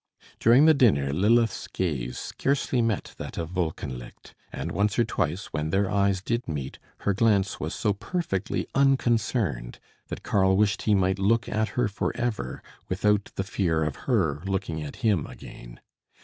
During the dinner, Lilith's gaze scarcely met that of Wolkenlicht; and once or twice, when their eyes did meet, her glance was so perfectly unconcerned, that Karl wished he might look at her for ever without the fear of her looking at him again.